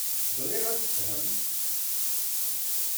Ẓriɣ ad tt-ifhem.